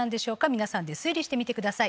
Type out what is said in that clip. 皆さんで推理してみてください